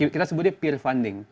kita sebutnya peer funding